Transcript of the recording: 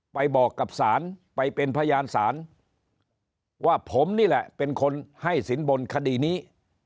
ไปบอกกับศาลไปเป็นพยานศาลว่าผมนี่แหละเป็นคนให้สินบนคดีนี้